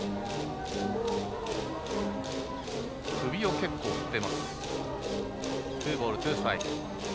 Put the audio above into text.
首を結構振っています。